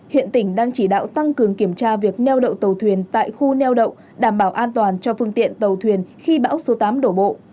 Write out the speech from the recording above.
hiện tỉnh đang chỉ đạo tăng cường kiểm tra việc neo đậu tàu thuyền tại khu neo đậu đảm bảo an toàn cho phương tiện tàu thuyền khi bão số tám đổ bộ